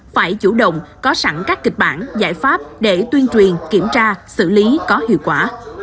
phải chủ động có sẵn các kịch bản giải pháp để tuyên truyền kiểm tra xử lý có hiệu quả